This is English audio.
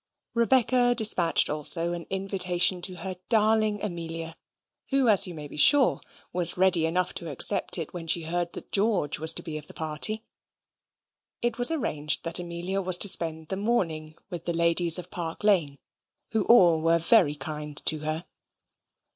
Rebecca despatched also an invitation to her darling Amelia, who, you may be sure, was ready enough to accept it when she heard that George was to be of the party. It was arranged that Amelia was to spend the morning with the ladies of Park Lane, where all were very kind to her.